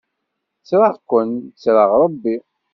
Ttreɣ-ken ttreɣ Ṛebbi.